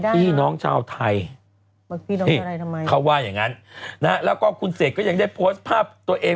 พี่น้องชาวไทยเขาว่าอย่างงั้นนะฮะแล้วก็คุณเสกก็ยังได้โพสต์ภาพตัวเอง